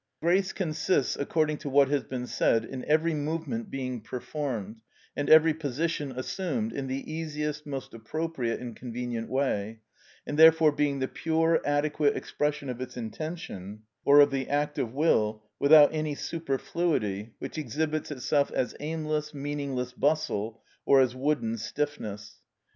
Grace consists, according to what has been said, in every movement being performed, and every position assumed, in the easiest, most appropriate and convenient way, and therefore being the pure, adequate expression of its intention, or of the act of will, without any superfluity, which exhibits itself as aimless, meaningless bustle, or as wooden stiffness.